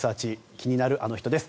気になるアノ人です。